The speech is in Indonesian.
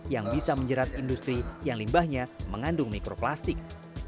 yang bisa menjerat industri yang limbahnya mengandung mikroplastik